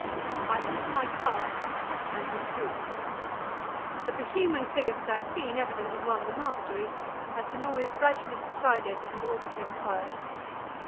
I thought of my calves and withdrew. But the human figure that I had seen evidently won the mastery, as the noise gradually subsided and all became quiet.